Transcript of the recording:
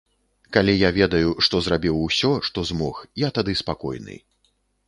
Калі я ведаю, што зрабіў усё, што змог, я тады спакойны.